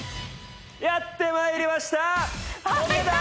やって参りました！